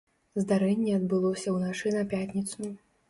Здарэнне адбылося ўначы на пятніцу.